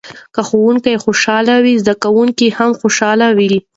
که ښوونکی خوشحاله وي زده کوونکي هم خوشحاله وي.